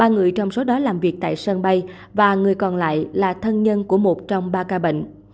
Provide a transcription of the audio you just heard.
ba người trong số đó làm việc tại sân bay và người còn lại là thân nhân của một trong ba ca bệnh